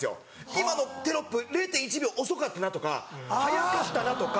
今のテロップ０．１秒遅かったなとか早かったなとか。